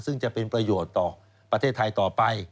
ซึ่งจะเป็นประโยชน์ต่อประเทศไทยต่อไป